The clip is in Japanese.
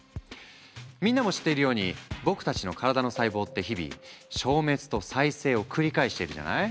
みんなも知っているように僕たちの体の細胞って日々消滅と再生を繰り返しているじゃない？